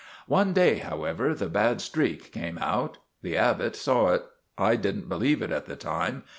" One day, however, the bad streak came out. The Abbot saw it. I did n't believe it at the time.